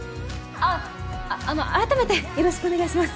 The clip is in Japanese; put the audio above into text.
あっあっあの改めてよろしくお願いします。